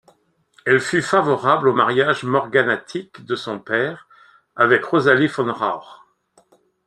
Elle fut favorable au mariage morganatique de son père avec Rosalie von Rauch.